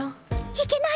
いけない！